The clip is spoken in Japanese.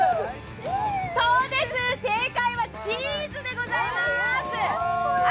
そうです、正解はチーズでございます。